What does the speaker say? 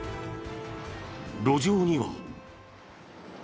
路上には。